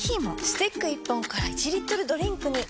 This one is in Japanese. スティック１本から１リットルドリンクに！